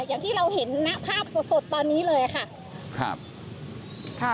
อย่างที่เราเห็นภาพสดตอนนี้เลยค่ะ